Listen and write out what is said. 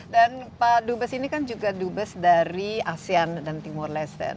dan pak dubes ini kan juga dubes dari asean dan timur leste